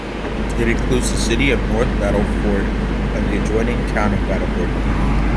It includes the city of North Battleford and the adjoining town of Battleford.